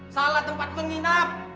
salah tempat menginap